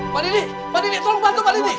pak didi pak didi tolong bantu pak didi